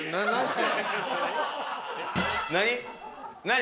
何？